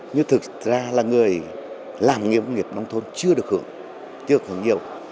nhưng thực ra là người làm nghiệp nông thôn chưa được hưởng chưa hưởng nhiều